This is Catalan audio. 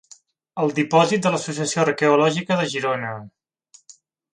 Al Dipòsit de l'Associació Arqueològica de Girona.